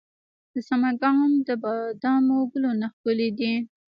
د سمنګان د بادامو ګلونه ښکلي دي.